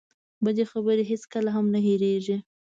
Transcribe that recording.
بدې خبرې هېڅکله هم نه هېرېږي.